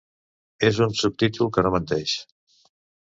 És un subtítol que no menteix.